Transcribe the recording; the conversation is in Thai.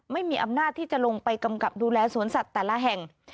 ไม่มีอำนาจที่จะลงไปกำกับดูแลสวนสัตว์แต่ละแห่ง